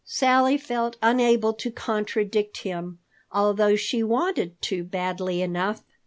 Sally felt unable to contradict him, although she wanted to badly enough.